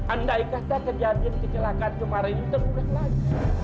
andaikah tak kejadian kecelakaan kemarin itu terulang lagi